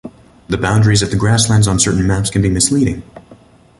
The boundaries of the grasslands on certain maps can be misleading.